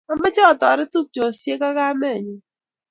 Amoche atoret tupchoshe ak kamenyu